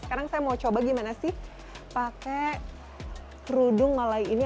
sekarang saya mau coba gimana sih pakai kerudung lalai ini